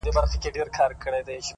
خو زه بيا داسي نه يم ـ